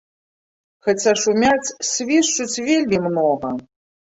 Хаця шумяць, свішчуць вельмі многа.